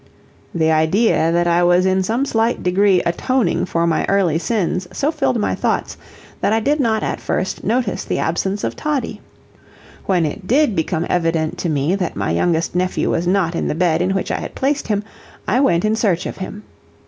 The idea that I was in some slight degree atoning for my early sins, so filled my thoughts, that I did not at first notice the absence of Toddie. When it DID become evident to me that my youngest nephew was not in the bed in which I had placed him, I went in search of him.